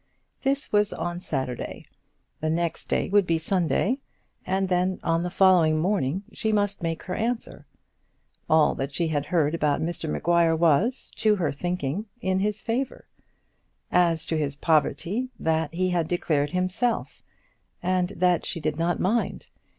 This was on Saturday. The next day would be Sunday, and then on the following morning she must make her answer. All that she had heard about Mr Maguire was, to her thinking, in his favour. As to his poverty, that he had declared himself, and that she did not mind.